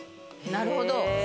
・なるほど。